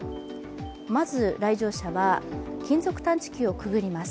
まず、来場者は金属探知機をくぐります。